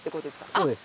そうです。